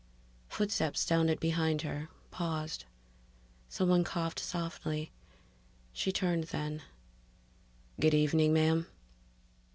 Footsteps sounded behind her, paused. Someone coughed softly. She turned then "Good evening, ma'am."